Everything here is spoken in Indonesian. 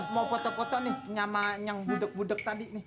mau foto foto nih sama yang budek budek tadi